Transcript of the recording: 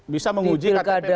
bisa menguji ektp palsu atau tidak